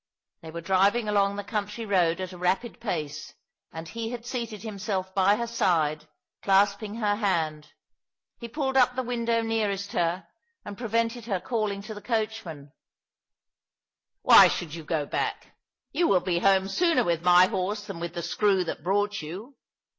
They were driving along the country road at a rapid pace, and he had seated himself by her side, clasping her hand. He pulled up the window nearest her, and prevented her calling to the coachman. " Why should you go back ? You will be homo sooner with my horse than with the screw that brought you."